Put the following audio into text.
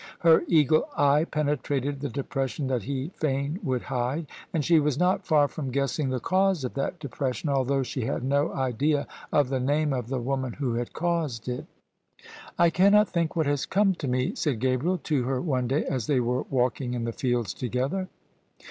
Her eagle eye penetrated the depression that he fain would hide: and she was not far from guessing the cause of that depres sion, although she had no idea of the name of the woman who had caused it. " I cannot think what has come to me," said Gabriel to her one day as they were walking in the fields together.